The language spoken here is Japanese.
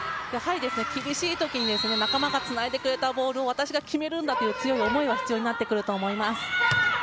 やはり厳しいときに仲間がつないでくれたボールを私が決めるんだという強い思いが必要になってくると思います。